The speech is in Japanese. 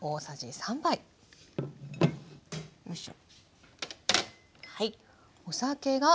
よいしょ。